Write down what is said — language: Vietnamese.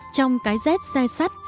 trong cái rét xe sắt